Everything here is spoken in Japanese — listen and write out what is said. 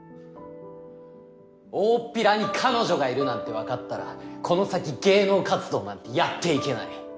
大っぴらに彼女がいるなんてわかったらこの先芸能活動なんてやっていけない。